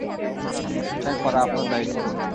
এটা করা আপনার দায়িত্ব।